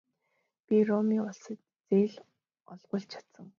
Би Румын улсад зээл олгуулж чадсан.